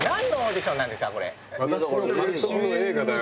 私の監督の映画だよ。